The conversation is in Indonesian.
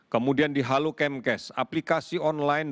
kemudian di halu kemkes aplikasi online